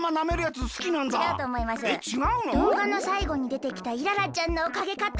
どうがのさいごにでてきたイララちゃんのおかげかと！